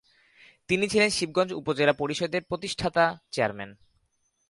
তিনি ছিলেন শিবগঞ্জ উপজেলা পরিষদের প্রতিষ্ঠাতা চেয়ারম্যান।